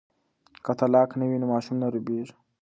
که طلاق نه وي نو ماشوم نه روبیږي.